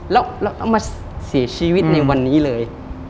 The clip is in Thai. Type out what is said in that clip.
แล้วเอามาเสียชีวิตในวันนี้เลย